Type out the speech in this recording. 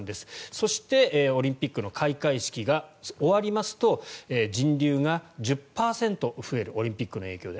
そして、オリンピックの開会式が終わりますと人流が１０％増えるオリンピックの影響で。